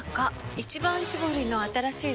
「一番搾り」の新しいの？